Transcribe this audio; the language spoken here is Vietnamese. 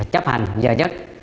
chấp hành giờ nhất